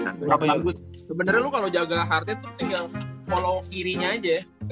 sebenernya lu kalo jaga harden tuh tinggal follow kirinya aja ya